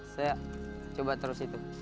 saya coba terus itu